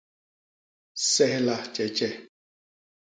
Sehla tjetje.